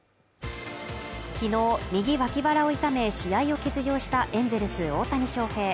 昨日右脇腹を痛め試合を欠場したエンゼルス・大谷翔平